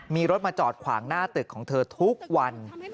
มีรถมาจอดขวางหน้าตึกของเธอทุกวัน